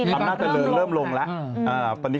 อันนี้เริ่มลงแล้ว